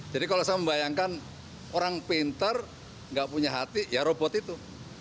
jadi kalau saya membayangkan orang pinter tidak punya hati ya robot itu